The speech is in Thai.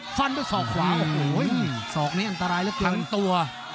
เชิงตัว